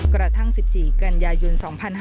กระทั่ง๑๔กันยายน๒๕๕๙